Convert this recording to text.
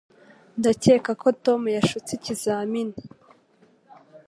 Ndakeka ko Tom yashutse ikizamini.